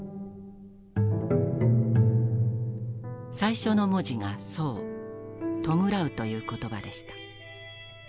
最初の文字が「葬」弔うという言葉でした。